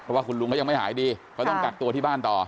เพราะว่าคุณลุงเขายังไม่หายดีเขาต้องกักตัวที่บ้านต่อ